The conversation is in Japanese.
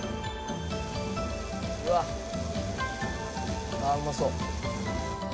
「うわあ！ああうまそう」